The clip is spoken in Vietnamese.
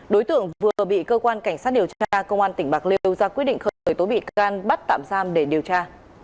đối tượng vừa bị cơ quan cảnh sát điều tra công an tỉnh bạc liêu ra quyết định khởi tố bị can bắt tạm giam để điều tra